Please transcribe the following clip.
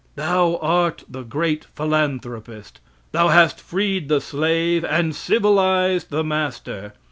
Thou art the great philanthropist. Thou hast freed the slave and civilized the master.